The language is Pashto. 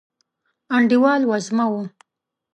انډیوال وزمه و